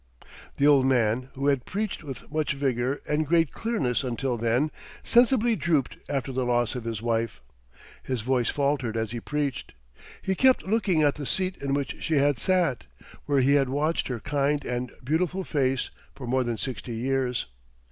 The old man, who had preached with much vigor and great clearness until then sensibly drooped after the loss of his wife. His voice faltered as he preached; he kept looking at the seat in which she had sat, where he had watched her kind and beautiful face for more than sixty years.